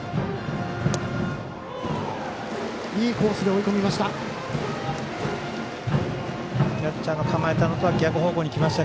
いいコースで追い込みました。